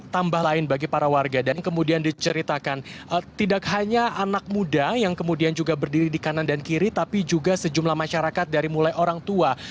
tambah lain bagi para warga dan kemudian diceritakan tidak hanya anak muda yang kemudian juga berdiri di kanan dan kiri tapi juga sejumlah masyarakat dari mulai orang tua